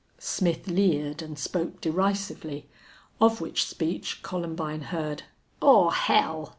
Smith leered and spoke derisively, of which speech Columbine heard, "Aw hell!"